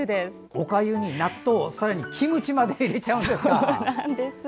おかゆに納豆さらにキムチまで入れちゃうんですか。